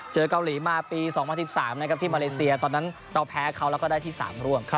เกาหลีมาปี๒๐๑๓นะครับที่มาเลเซียตอนนั้นเราแพ้เขาแล้วก็ได้ที่๓ร่วม